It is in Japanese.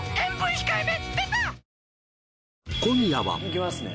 いきますね・